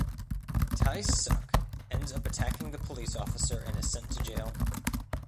Tae-suk ends up attacking the police officer and is sent to jail.